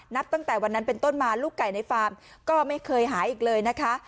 นับตั้งแต่วันนั้นเป็นต้นมาลูกไก่ในฟาร์มก็ไม่เคยหายอีกเลยนะคะ